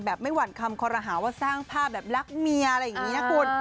ไม่หวั่นคำคอรหาว่าสร้างภาพแบบรักเมียอะไรอย่างนี้นะคุณ